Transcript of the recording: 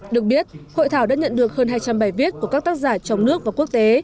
được biết hội thảo đã nhận được hơn hai trăm linh bài viết của các tác giả trong nước và quốc tế